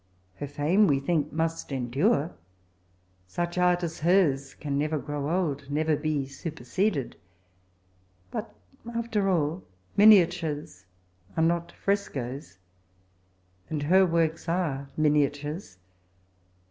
Her fame, we think, mast en dare. Sach art as hers can never grow old, never be superseded. Bat, after all, miniatares are not frescoes, and her works are miniatares.